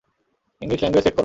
English language set করো।